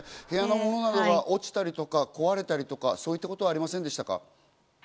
部屋のものなどが落ちたり壊れたり、そういったことはありませんでしたか？